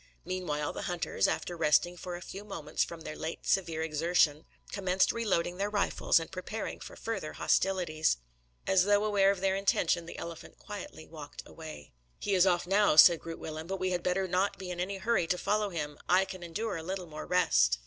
Meanwhile, the hunters, after resting for a few moments from their late severe exertion, commenced reloading their rifles and preparing for further hostilities. As though aware of their intention, the elephant quietly walked away. "He is off now," said Groot Willem, "but we had better not be in any hurry to follow him. I can endure a little more rest."